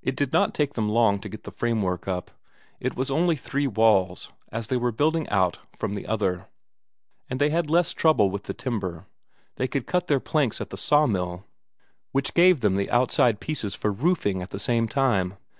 It did not take them long to get the framework up; it was only three walls, as they were building out from the other. And they had less trouble with the timber; they could cut their planks at the sawmill, which gave them the outside pieces for roofing at the same time.